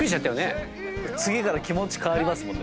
次から気持ち変わりますもんね